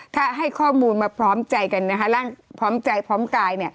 ถ้าให้ข้อมูลมาพร้อมใจกันนะคะร่างพร้อมใจพร้อมกาย